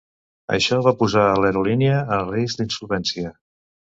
Això va posar a l'aerolínia en risc d'insolvència.